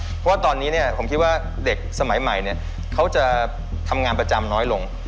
เพราะว่าตอนนี้เนี่ยผมคิดว่าเด็กสมัยใหม่เขาจะทำงานประจำน้อยลง